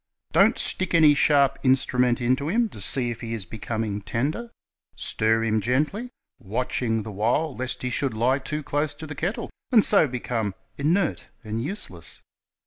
"Don't stick any sharp instrument into him, to see if he is becoming tender. .Stir him gently; watching the while lest he should lie too close to the kettle, and so be come inert and useless.